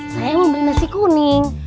saya mau beli nasi kuning